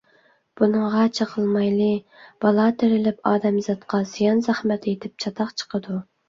بۇنىڭغا چېقىلمايلى، بالا تېرىلىپ، ئادەمزاتقا زىيان - زەخمەت يېتىپ، چاتاق چىقىدۇ.